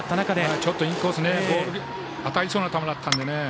ちょっとインコース当たりそうな球だったので。